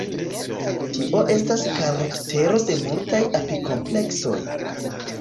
Tio estas karaktero de multaj apikompleksoj.